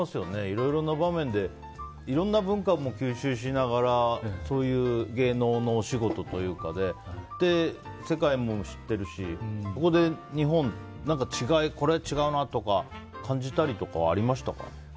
いろいろな場面でいろんな文化も吸収しながらそういう芸能のお仕事というかをやっていて世界も知ってるしそれで日本、これは違うなとか感じたりとかはありましたか？